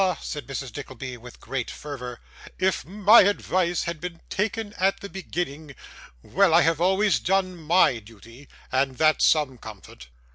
said Mrs. Nickleby, with great fervour, 'if my advice had been taken at the beginning Well, I have always done MY duty, and that's some comfort.